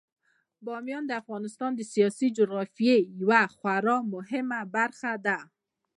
بامیان د افغانستان د سیاسي جغرافیې یوه خورا مهمه برخه ده.